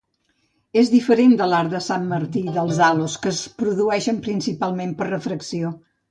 És diferent de l'arc de Sant Martí i dels halos, que es produeixen principalment per la refracció.